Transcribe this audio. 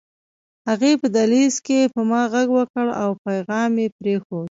هغې په دهلېز کې په ما غږ وکړ او پيغام يې پرېښود